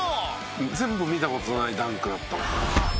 「全部見た事ないダンクだったもんな」